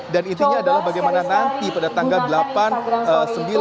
dan intinya adalah bagaimana nanti pada tanggal delapan